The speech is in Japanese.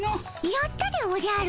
やったでおじゃる。